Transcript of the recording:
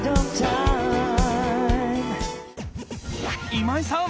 今井さん